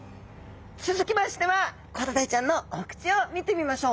続きましてはコロダイちゃんのお口を見てみましょう。